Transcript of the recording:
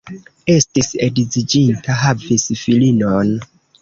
Estis edziĝinta, havis filinon.